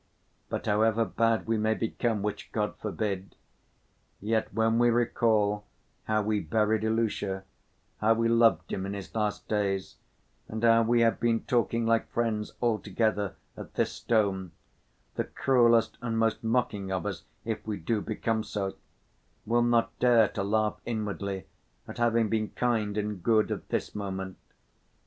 But however bad we may become—which God forbid—yet, when we recall how we buried Ilusha, how we loved him in his last days, and how we have been talking like friends all together, at this stone, the cruelest and most mocking of us—if we do become so—will not dare to laugh inwardly at having been kind and good at this moment!